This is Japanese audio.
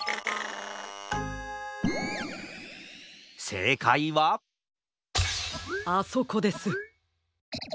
せいかいはあそこです。